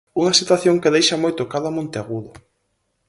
Unha situación que deixa moi tocado a Monteagudo.